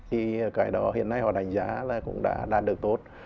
thì cái đó hiện nay họ đánh giá là cũng đã đạt được tốt